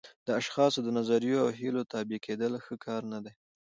د اشخاصو د نظریو او هیلو تابع کېدل ښه کار نه دی.